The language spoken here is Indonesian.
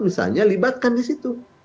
misalnya libatkan di situ